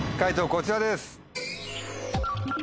こちらです。